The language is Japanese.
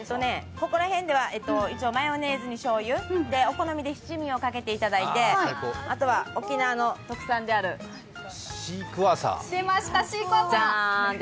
ここら辺ではマヨネーズにしょうゆ、お好みで七味をかけていただいて、あとは沖縄の特産であるジャーン。